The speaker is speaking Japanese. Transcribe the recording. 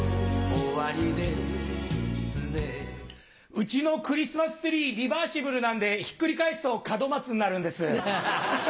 うちのクリスマスツリーリバーシブルなんでひっくり返すと門松になるんです。